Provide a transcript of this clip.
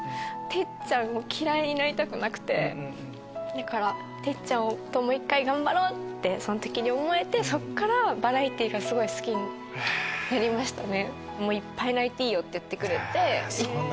だから哲ちゃんともう１回頑張ろう！ってその時に思えてそこからバラエティーがすごい好きになりましたね。